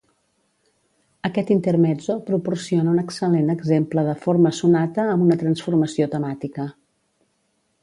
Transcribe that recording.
Aquest intermezzo proporciona un excel·lent exemple de forma sonata amb una transformació temàtica.